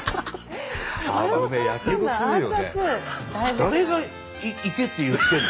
誰が行けって言ってんの？